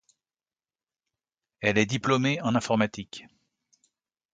Elle est diplômée en informatique.